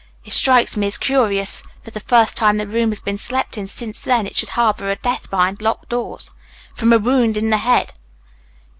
It strikes me as curious that the first time the room has been slept in since then it should harbour a death behind locked doors from a wound in the head."